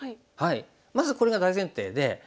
まずこれが大前提で。